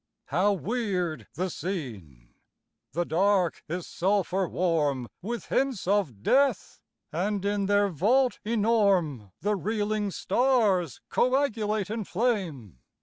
How weird the scene! The Dark is sulphur warm With hints of death; and in their vault enorme The reeling stars coagulate in flame.